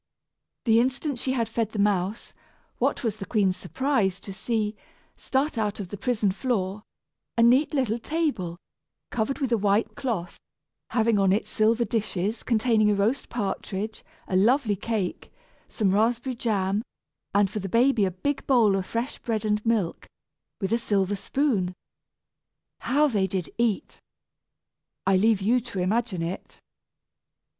The instant she had fed the mouse, what was the queen's surprise to see, start out of the prison floor, a neat little table, covered with a white cloth, having on it silver dishes, containing a roast partridge, a lovely cake, some raspberry jam, and for the baby a big bowl of fresh bread and milk, with a silver spoon! How they did eat! I leave you to imagine it!